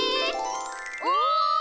お！